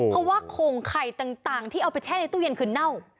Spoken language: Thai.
เพราะว่าโข่งไข่ต่างที่เอาไปแช่ในตู้เย็นคือเน่า